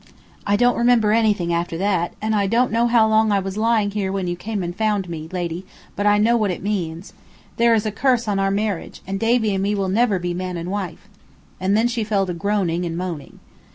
I don't remember anything after that, and I don't know how long I was lying here when you came and found me, lady, but I know what it means. There is a curse on our marriage, and Davy and me will never be man and wife." And then she fell to groaning and moaning.